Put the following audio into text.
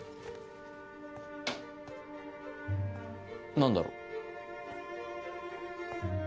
何だろう？